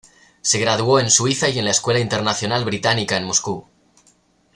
Se graduó en Suiza y en la Escuela Internacional Británica en Moscú.